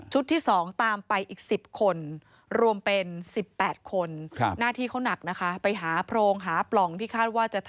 ชุดที่๒ตามไปอีก๑๐คนรวมเป็น๑๘คน